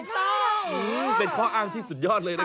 อ๋อค่ะเหรอเป็นข้ออ้างที่สุดยอดเลยนะครับ